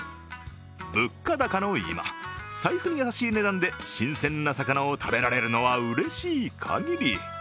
物価高の今、財布に優しい値段で新鮮な魚を食べられるのはうれしい限り。